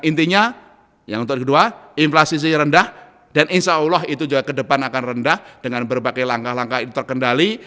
intinya yang kedua inflasinya rendah dan insyaallah itu juga kedepan akan rendah dengan berbagai langkah langkah terkendali